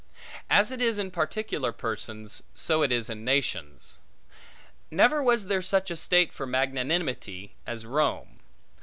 As it is in particular persons, so it is in nations. Never was there such a state for magnanimity as Rome.